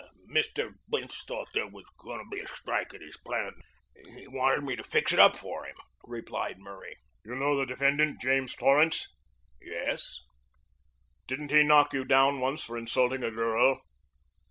"Mr. Bince thought there was going to be a strike at his plant and he wanted me to fix it up for him," replied Murray. "You know the defendant, James Torrance?" "Yes." "Didn't he knock you down once for insulting a girl?"